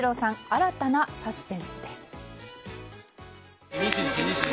新たなサスペンスです。